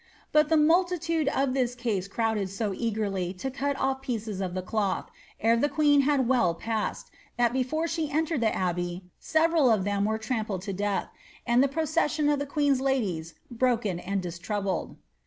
But the multitude in this case crowded so eagerly to cut off pieces of the cloth, ere the queen had well passed, that before she entered the abbey several of them were trampled to death, and the procession of the queen's ladies ^ broken and distroubled."